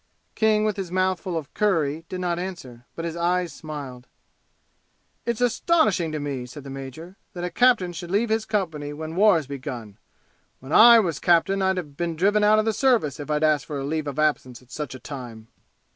King, with his mouth full of curry did not answer, but his eyes smiled. "It's astonishing to me," said the major, "that a captain should leave his company when war has begun! When I was captain I'd have been driven out of the service if I'd asked for leave of absence at such a time!"